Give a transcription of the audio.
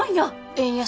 円安？